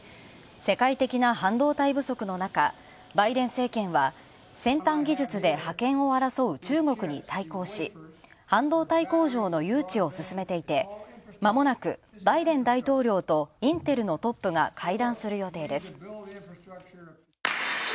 世界的な半導体不足の中、バイデン政権は先端技術で覇権を争う中国に対抗し半導体工場の誘致を進めていて、まもなくバイデン大統領とインテルのトップが会談する予定です。